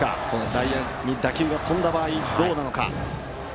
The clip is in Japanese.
外野に打球が飛んだ場合どうなのか。